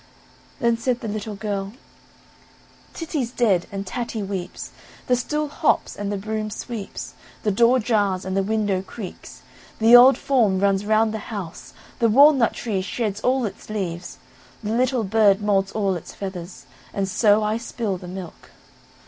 Then said the little girl: "Titty's dead, and Tatty weeps, the stool hops, and the broom sweeps, the door jars, and the window creaks, the old form runs round the house, the walnut tree sheds all its leaves, the little bird moults all its feathers, and so I spill the milk."